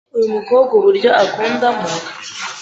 Uyu mukobwa uburyo akunda mo